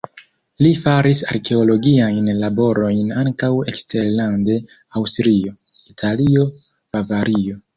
Li faris arkeologiajn laborojn ankaŭ eksterlande: Aŭstrio, Italio, Bavario.